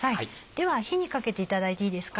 では火にかけていただいていいですか？